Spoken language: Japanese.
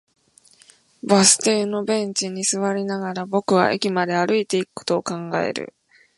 バス停のベンチに座りながら、僕は駅まで歩いていくことを考える